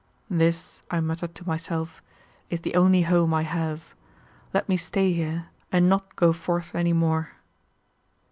"This," I muttered to myself, "is the only home I have. Let me stay here, and not go forth any more."